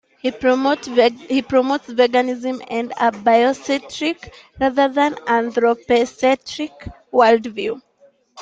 He promotes veganism, and a biocentric, rather than anthropocentric, worldview.